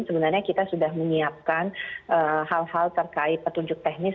sebenarnya kita sudah menyiapkan hal hal terkait petunjuk teknis